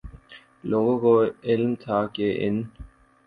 لوگوں کو علم تھا کہ ان